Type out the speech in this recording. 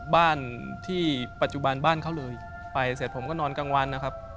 บ้านที่ปัจจุบันบ้านเขาเลยไปเสร็จผมก็นอนกลางวันนะครับ